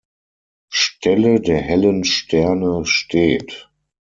Stelle der hellen Sterne steht.